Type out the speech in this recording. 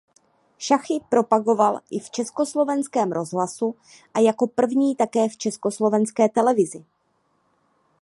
Šachy propagoval i v Československém rozhlasu a jako první také v Československé televizi.